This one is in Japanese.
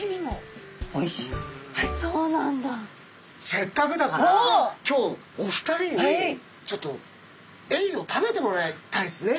せっかくだから今日お二人にちょっとエイを食べてもらいたいですね。